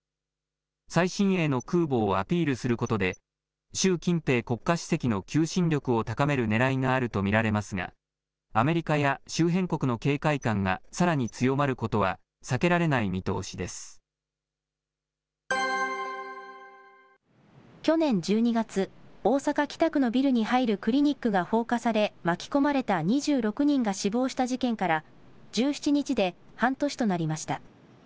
最新鋭の空母をアピールすることで、習近平国家主席の求心力を高めるねらいがあると見られますが、アメリカや周辺国の警戒感がさらに強まることは避けられない見通去年１２月、大阪・北区のビルに入るクリニックが放火され、巻き込まれた２６人が死亡した事件から、１７日で半年となりました。